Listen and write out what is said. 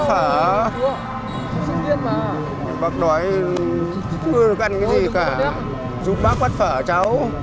và vòi vĩnh xin thêm